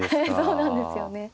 そうなんですよね。